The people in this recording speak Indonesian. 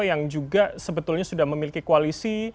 yang juga sebetulnya sudah memiliki koalisi